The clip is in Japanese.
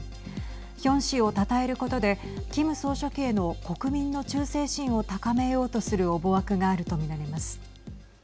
ヒョン氏をたたえることでキム総書記への国民の忠誠心を高めようとする思惑があると見られます。